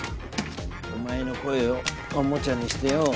お前の声をおもちゃにしてよ。